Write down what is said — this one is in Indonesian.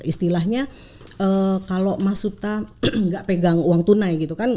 istilahnya kalau mas suta nggak pegang uang tunai gitu kan